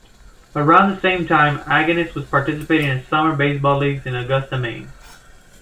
Around the same time, Agganis was participating in summer baseball leagues in Augusta, Maine.